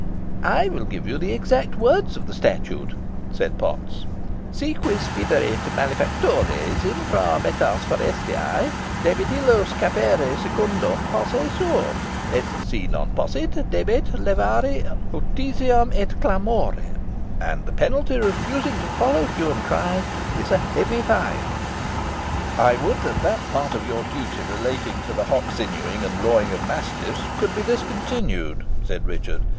"I will give you the exact words of the statute," said Potts '_Si quis viderit malefactores infra metas forestæ, debet illos capere secundum posse suum, et si non possit; debet levare hutesium et clamorem_.' And the penalty for refusing to follow hue and cry is heavy fine." "I would that that part of your duty relating to the hock sinewing, and lawing of mastiffs, could be discontinued," said Richard.